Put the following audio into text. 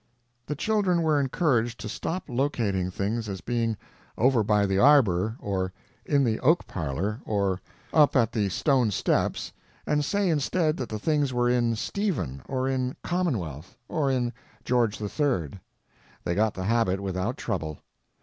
The children were encouraged to stop locating things as being "over by the arbor," or "in the oak parlor," or "up at the stone steps," and say instead that the things were in Stephen, or in the Commonwealth, or in George III. They got the habit without trouble.